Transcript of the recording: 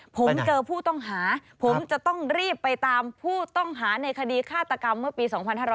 ผมเจอผู้ต้องหาผมจะต้องรีบไปตามผู้ต้องหาในคดีฆาตกรรมเมื่อปี๒๕๕๙